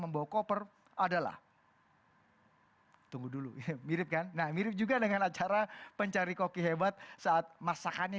membawa koper adalah tunggu dulu mirip kan nah mirip juga dengan acara pencari koki hebat saat masakannya